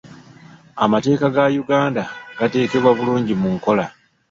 Amateeka ga Uganda tegateekebwa bulungi mu nkola.